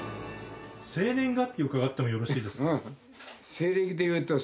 生年月日を伺ってもよろしいですか？